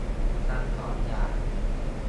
ทั้งสองอย่าง